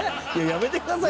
やめてください。